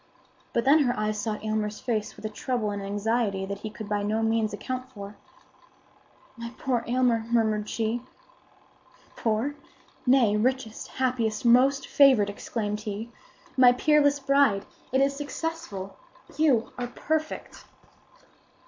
But then her eyes sought Aylmer's face with a trouble and anxiety that he could by no means account for. "My poor Aylmer!" murmured she. "Poor? Nay, richest, happiest, most favored!" exclaimed he. "My peerless bride, it is successful! You are perfect!"